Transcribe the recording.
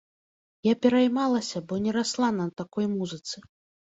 Я пераймалася, бо не расла на такой музыцы.